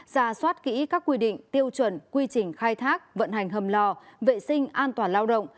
ra soát kỹ các quy định tiêu chuẩn quy trình khai thác vận hành hầm lò vệ sinh an toàn lao động